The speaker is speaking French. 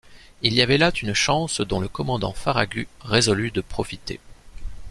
Il y avait là une chance dont le commandant Farragut résolut de profiter.